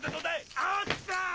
あっ来た！